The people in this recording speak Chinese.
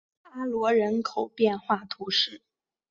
阿罗人口变化图示